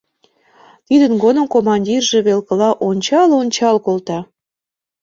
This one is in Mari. Тидын годым командирже велкыла ончал-ончал колта.